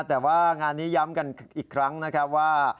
แต่ว่างานนี้ย้ำกันอีกครั้งนะครับว่า